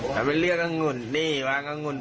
ทำเป็นเลือกอังุ่นนี่วางอังุ่น